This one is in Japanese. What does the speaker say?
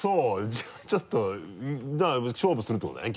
じゃあちょっとだから勝負するってことだね？